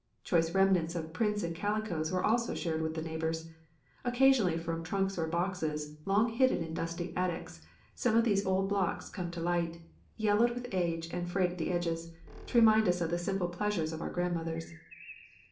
Choice remnants of prints and calicoes were also shared with the neighbours. Occasionally from trunks or boxes, long hidden in dusty attics, some of these old blocks come to light, yellowed with age and frayed at the edges, to remind us of the simple pleasures of our grandmothers.